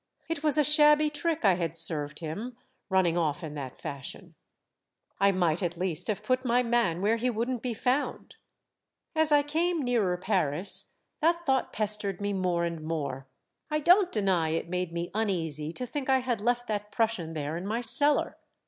It was a shabby trick I had served him, running off in that fashion. 84 Monday Tales. " I might at least have put my man where he would n't be found. As I came nearer Paris, that thought pestered me more and more. I don't deny it made me uneasy to think I had left that Prussian there in my cellar.